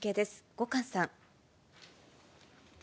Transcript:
後閑さん。